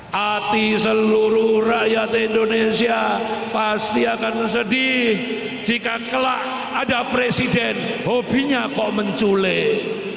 hati seluruh rakyat indonesia pasti akan sedih jika kelak ada presiden hobinya kok menculik